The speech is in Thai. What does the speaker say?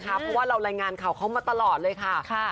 เพราะว่าเรารายงานข่าวเขามาตลอดเลยค่ะ